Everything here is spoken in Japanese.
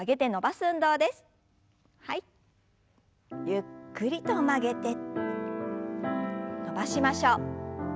ゆっくりと曲げて伸ばしましょう。